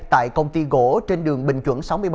tại công ty gỗ trên đường bình chuẩn sáu mươi ba